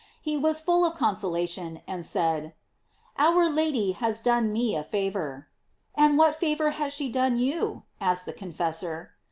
He was full of consolation, and said : "Our Lady has done me a favor." "And what favor has she done you ?"asked the confessor.